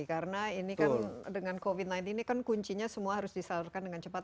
karena ini kan dengan covid sembilan belas ini kan kuncinya semua harus disalurkan dengan cepat